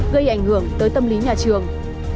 gây ảnh hưởng tới tâm lý nhà trường